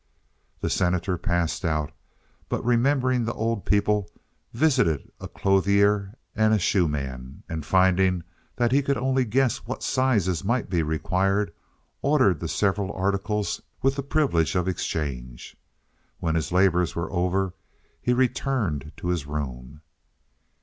The Senator passed out, but remembering the old people, visited a clothier and shoe man, and, finding that he could only guess at what sizes might be required, ordered the several articles with the privilege of exchange. When his labors were over, he returned to his room.